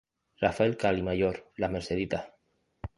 Rafael Cal y Mayor, Las Merceditas.